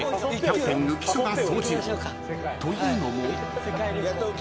［というのも］